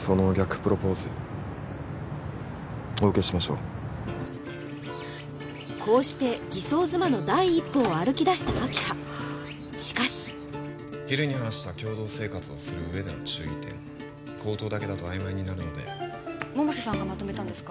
プロポーズお受けしましょうこうして偽装妻の第一歩を歩きだした明葉しかし昼に話した共同生活をする上での注意点口頭だけだと曖昧になるので百瀬さんがまとめたんですか？